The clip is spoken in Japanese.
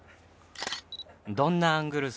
どんなアングル？